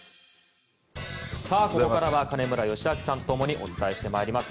ここからは金村義明さんとともにお伝えしてまいります。